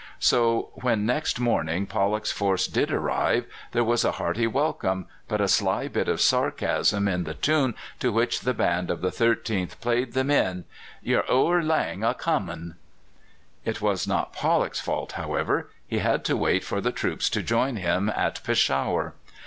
So when next morning Pollock's force did arrive, there was a hearty welcome, but a sly bit of sarcasm in the tune to which the band of the 13th played them in, "Ye're ower lang o' comin'." It was not Pollock's fault, however. He had to wait for the troops to join him at Peshawar.